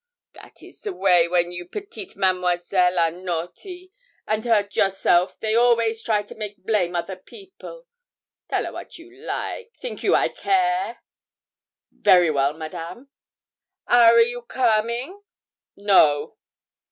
That is the way wen you petites Mademoiselles are naughty and hurt yourself they always try to make blame other people. Tell a wat you like you think I care?' 'Very well, Madame.' 'Are a you coming?' 'No.'